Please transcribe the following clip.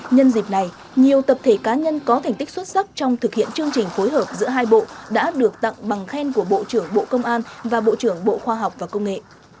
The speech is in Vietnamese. nhân dịp này nhiều tập thể cá nhân có thành tích xuất sắc trong thực hiện chương trình phối hợp giữa hai bộ đã được tặng bằng khen của bộ trưởng bộ công an và bộ trưởng bộ khoa học và công nghệ